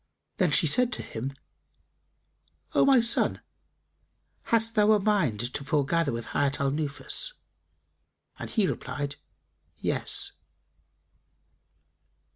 Then said she to him, "O my son, hast thou a mind to foregather with Hayat al Nufus?"; and he replied, "Yes."